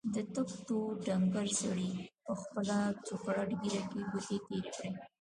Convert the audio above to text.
تک تور ډنګر سړي په خپله څوکړه ږيره کې ګوتې تېرې کړې.